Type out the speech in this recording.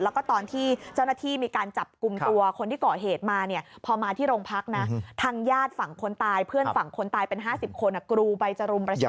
แล้วก็ตอนที่เจ้าหน้าที่มีการจับกลุ่มตัวคนที่ก่อเหตุมาเนี่ยพอมาที่โรงพักนะทางญาติฝั่งคนตายเพื่อนฝั่งคนตายเป็น๕๐คนกรูไปจะรุมประชา